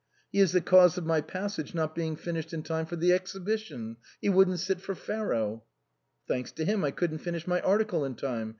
" He is the cause of my ' Passage ' not being finished in time for the Exhibition. He wouldn't sit for Pharaoh," " Thanks to him, I couldn't finish my article in time.